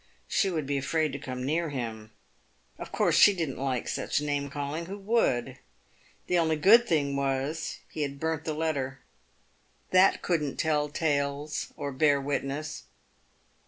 She would be afraid to come near him. Of course, she didn't like such name calling — who would ? The only good thing was, he had burnt the letter. That couldn't tell tales, or bear witness.